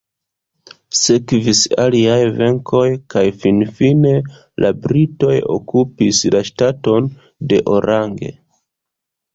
Sekvis aliaj venkoj kaj finfine la britoj okupis la ŝtaton de Orange.